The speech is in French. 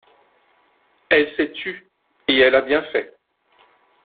Elle s’est tue, et elle a bien fait.